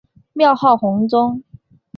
庙号弘宗。